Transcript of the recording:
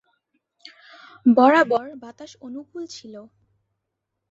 বরাবর বাতাস অনুকূল ছিল।